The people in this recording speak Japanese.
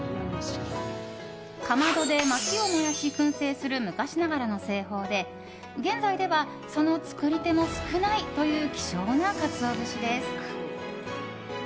かまどで、まきを燃やし燻製する昔ながらの製法で現在ではその作り手も少ないという希少なカツオ節です。